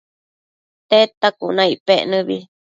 Tedta cuna icpec nëbi